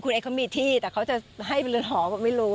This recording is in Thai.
เอ็กเขามีที่แต่เขาจะให้เป็นเรือนหอไม่รู้